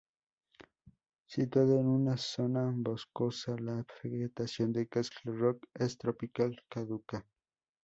Situado en una zona boscosa, la vegetación de Castle Rock es tropical caduca.